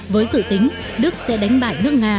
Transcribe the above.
với dự tính đức sẽ đánh bại nước nga